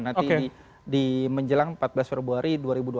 nanti di menjelang empat belas februari dua ribu dua puluh